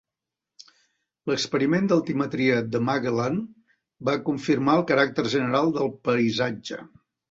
L'experiment d'altimetria de "Magellan" va confirmar el caràcter general del paisatge.